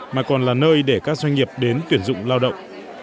mà còn là nơi để các doanh nghiệp đến tuyển dụng lao động